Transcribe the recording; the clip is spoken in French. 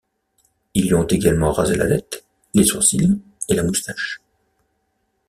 Ils lui ont également rasé la tête, les sourcils, et la moustache.